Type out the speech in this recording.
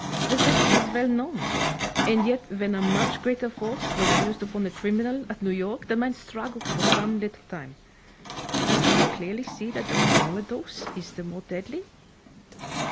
The fact is well known. And yet when a much greater force was used upon a criminal at New York, the man struggled for some little time. Do you not clearly see that the smaller dose is the more deadly?"